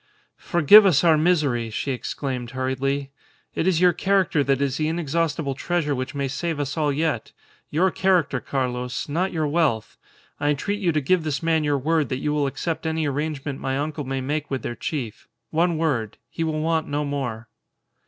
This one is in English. "Forgive us our misery!" she exclaimed, hurriedly. "It is your character that is the inexhaustible treasure which may save us all yet; your character, Carlos, not your wealth. I entreat you to give this man your word that you will accept any arrangement my uncle may make with their chief. One word. He will want no more."